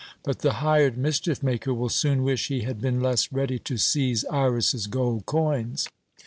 But the hired mischief maker will soon wish he had been less ready to seize Iras's gold coins."